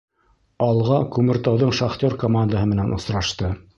«Алға» Күмертауҙың «Шахтер» командаһы менән осрашты.